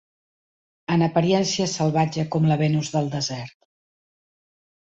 ...en apariència salvatge com la Venus del desert